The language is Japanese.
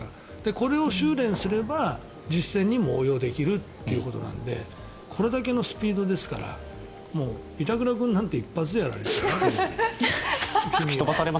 これを修練すれば実戦にも応用できるということなのでこれだけのスピードですから板倉君なんて一発じゃないですか。